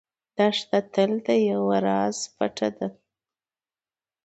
دښته تل د یو راز پټه ده.